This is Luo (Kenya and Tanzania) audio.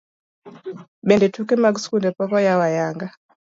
Bende tuke mag skunde pok oyaw ayanga.